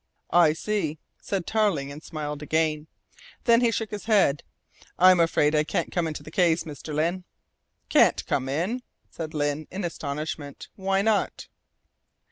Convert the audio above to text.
"I see," said Tarling and smiled again. Then he shook his head. "I'm afraid I can't come into this case, Mr. Lyne." "Can't come in?" said Lyne in astonishment. "Why not?"